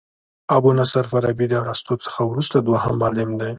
ابو نصر فارابي د ارسطو څخه وروسته دوهم معلم دئ.